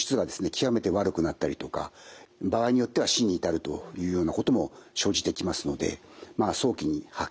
極めて悪くなったりとか場合によっては死に至るというようなことも生じてきますので早期に発見してですね